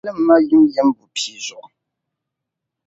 Yi galim ma yimyim bupia zuɣu.